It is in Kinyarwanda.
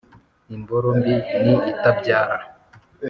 Imboro mbi ni itabyara.